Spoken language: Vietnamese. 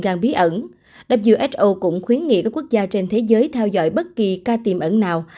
chủ tịch who cũng khuyến nghị các quốc gia trên thế giới theo dõi bất kỳ ca tiêm ẩn nào